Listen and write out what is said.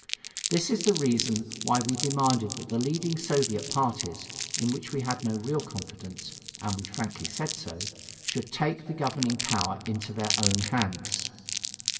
This is the reason why we demanded that the leading Soviet parties, in which we had no real confidence (and we frankly said so), should take the governing power into their own hands.